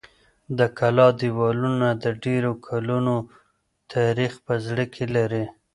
د کلا دېوالونه د ډېرو کلونو تاریخ په زړه کې لري.